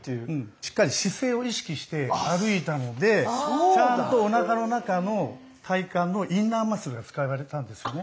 しっかり姿勢を意識して歩いたのでちゃんとおなかの中の体幹のインナーマッスルが使われたんですよね。